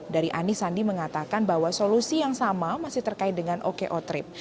dari anies sandi mengatakan bahwa solusi yang sama masih terkait dengan oko trip